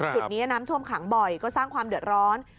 จุดนี้น้ำท่วมขังบ่อยก็สร้างความเดือดร้อน